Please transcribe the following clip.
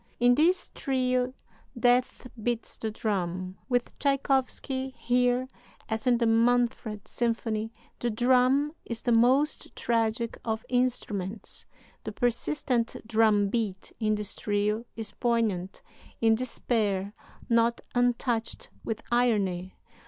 In this trio Death beats the drum. With Tschaikowsky, here, as in the 'Manfred' symphony, the drum is the most tragic of instruments. The persistent drum beat in this trio is poignant in despair not untouched with irony.